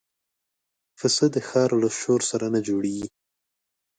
پسه د ښار له شور سره نه جوړيږي.